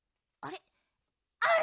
あれ？